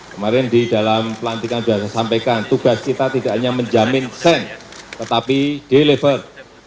kemarin di dalam pelantikan sudah saya sampaikan tugas kita tidak hanya menjamin sen tetapi deliver